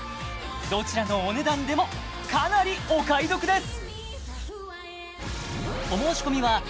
どちらのお値段でもかなりお買い得です